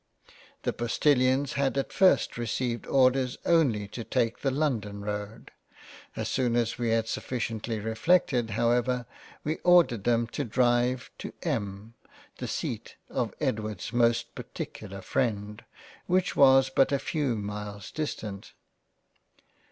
The Postilions had at first received orders only to take the London road ; as soon as we had sufficiently reflected How ever, we ordered them to Drive to M . the seat of Edward's most particular freind, which was but a few miles distant.